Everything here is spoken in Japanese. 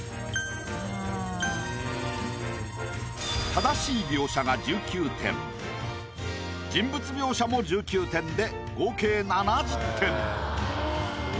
正しい描写が１９点人物描写も１９点で合計７０点。